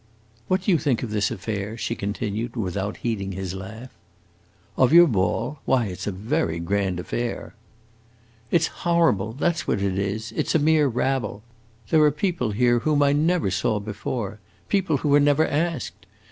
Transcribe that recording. "What do you think of this affair?" she continued, without heeding his laugh. "Of your ball? Why, it 's a very grand affair." "It 's horrible that 's what it is! It 's a mere rabble! There are people here whom I never saw before, people who were never asked.